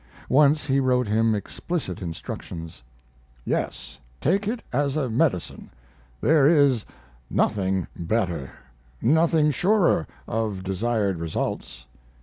Once he wrote him explicit instructions: Yes take it as a medicine there is nothing better, nothing surer of desired results.